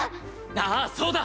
ああそうだ！